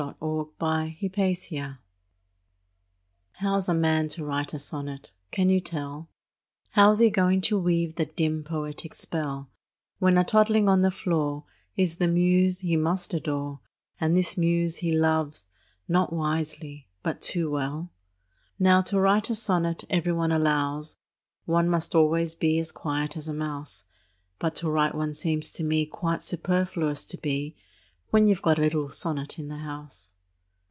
THE POET AND THE BABY How's a man to write a sonnet, can you tell, How's he going to weave the dim, poetic spell, When a toddling on the floor Is the muse he must adore, And this muse he loves, not wisely, but too well? Now, to write a sonnet, every one allows, One must always be as quiet as a mouse; But to write one seems to me Quite superfluous to be, When you 've got a little sonnet in the house.